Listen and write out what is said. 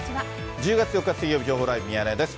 １０月４日水曜日、情報ライブミヤネ屋です。